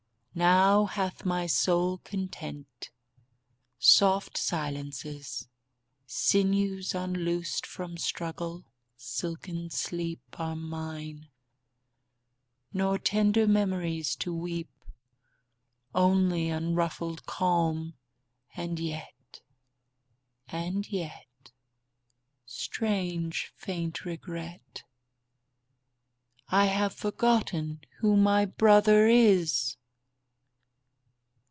Now hath my soul content. Soft silences, Sinews unloosed from struggle, silken sleep, 27 Are mine; nor tender memories to weep. Only unruffled calm; and yet — and yet — Strange, faint regret — I have forgotten who my brother is!